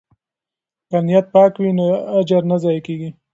که نیت پاک وي نو اجر نه ضایع کیږي.